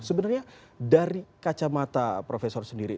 sebenarnya dari kacamata profesor sendiri